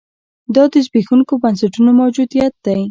دا د زبېښونکو بنسټونو موجودیت دی.